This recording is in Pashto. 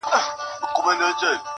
که ترخه شراب ګنا ده او حرام دي-